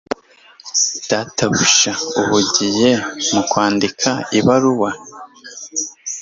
Data ubu ahugiye mu kwandika ibaruwa.